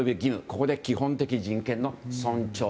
ここで基本的人権の尊重。